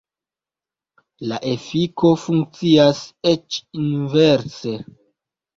La efiko funkcias eĉ inverse.